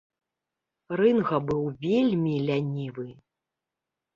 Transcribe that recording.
Рынга быў вельмі лянівы.